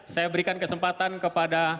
saya berikan kesempatan kepada